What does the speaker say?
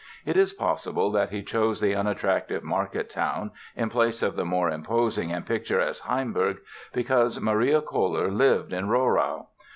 It is possible that he chose the unattractive market town in place of the more imposing and picturesque Hainburg because Maria Koller lived in Rohrau.